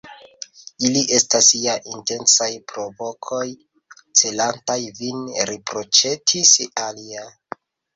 Ili estas ja intencaj provokoj, celantaj vin, riproĉetis alia.